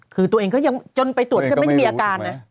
คือตัวเองก็ยังจนไปตรวจก็ไม่ได้มีอาการนะ